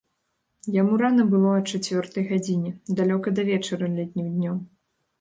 Яму рана было а чацвёртай гадзіне, далёка да вечара летнім днём.